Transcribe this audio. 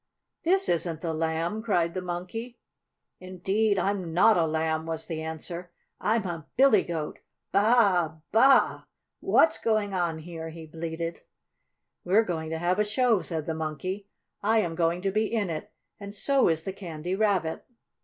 "This isn't the Lamb!" cried the Monkey. "Indeed I'm not a Lamb!" was the answer. "I'm a Billy Goat! Baa a! Baa a a a! What's going on here?" he bleated. "We're going to have a show," said the Monkey. "I am going to be in it, and so is the Candy Rabbit."